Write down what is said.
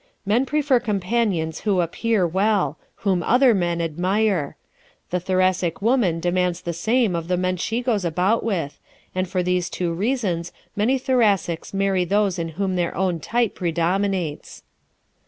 Men prefer companions who appear well whom other men admire. The Thoracic woman demands the same of the men she goes about with, and for these two reasons many Thoracics marry those in whom their own type predominates.